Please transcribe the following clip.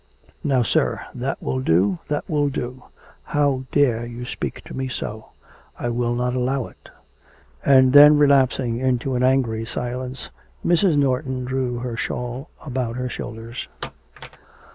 'Now, sir, that will do, that will do.... How dare you speak to me so! I will not allow it.' And then relapsing into an angry silence, Mrs. Norton drew her shawl about her shoulders.